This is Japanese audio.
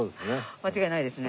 間違いないですね。